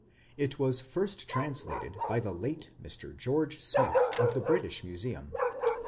It was first translated by the late Mr. George Smith, of the British Museum.